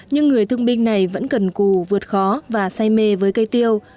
nhưng người thương binh này vẫn cần cù vượt khó và say mê với cây tiêu